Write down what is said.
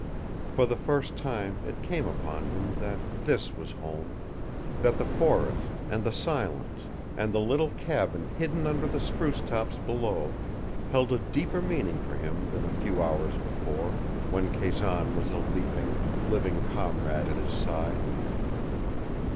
For the first time it came upon him that THIS was home that the forest, and the silence, and the little cabin hidden under the spruce tops below held a deeper meaning for him than a few hours before, when Kazan was a leaping, living comrade at his side.